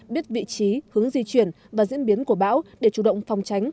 biết vị trí hướng di chuyển và diễn biến của bão để chủ động phòng tránh